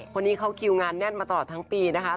คนนี้เขาคิวงานแน่นมาตลอดทั้งปีนะคะ